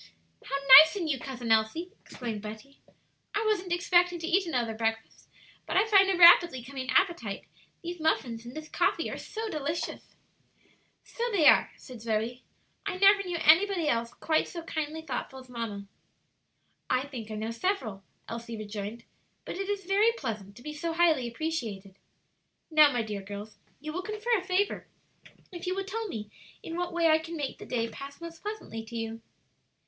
"How nice in you, Cousin Elsie!" exclaimed Betty. "I wasn't expecting to eat another breakfast, but I find a rapidly coming appetite; these muffins and this coffee are so delicious." "So they are," said Zoe. "I never knew anybody else quite so kindly thoughtful as mamma." "I think I know several," Elsie rejoined; "but it is very pleasant to be so highly appreciated. Now, my dear girls, you will confer a favor if you will tell me in what way I can make the day pass most pleasantly to you."